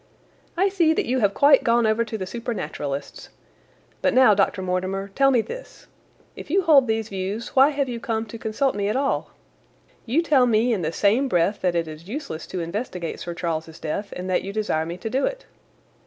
"I see that you have quite gone over to the supernaturalists. But now, Dr. Mortimer, tell me this. If you hold these views, why have you come to consult me at all? You tell me in the same breath that it is useless to investigate Sir Charles's death, and that you desire me to do it."